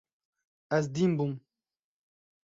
Ez dîn bûm.